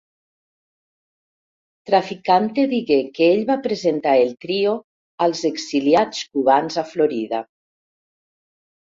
Trafficante digué que ell va presentar el trio als exiliats cubans a Florida.